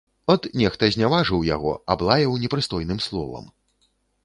От, нехта зняважыў яго, аблаяў непрыстойным словам.